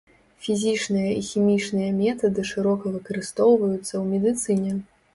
Фізічныя і хімічныя метады шырока выкарыстоўваюцца ў медыцыне.